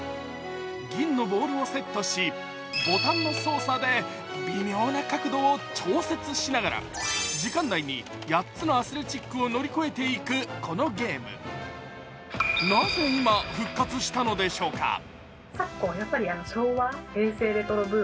銀のボールをセットし、ボタンの操作で微妙な角度を調節しながら、時間内に８つのアスレチックを乗り越えていくこのゲーム、なぜ今、復活したのでしょうか。